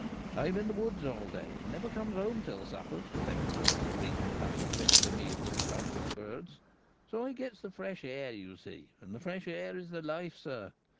I'm in the woods all day, and never comes home till supper — 'cept, of course, in breeding time, to fetch the meal and stuff for the birds — so I gets the fresh air, you see ; and the fresh air is the life, sir.